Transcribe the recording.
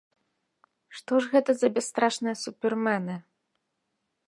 Што ж гэта за бясстрашныя супермены?